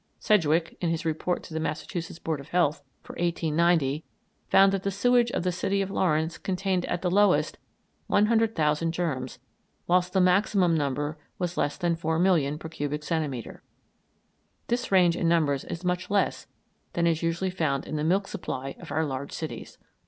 Sedgwick, in his Report to the Massachusetts Board of Health for 1890, found that the sewage of the city of Lawrence contained at the lowest 100,000 germs, whilst the maximum number was less than 4,000,000 per cubic centimetre. This range in numbers is much less than is usually found in the milk supply of our large cities."